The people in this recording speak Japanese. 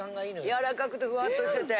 やわらかくてふわっとしてて。